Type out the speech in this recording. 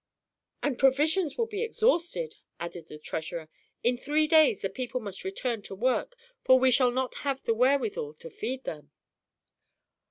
"And provisions will be exhausted," added the treasurer. "In three days the people must return to work, for we shall not have the wherewithal to feed them."